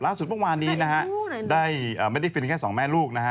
ล่าสุดประมาณนี้ไม่ได้ฟิล์มที่แค่สองแม่ลูก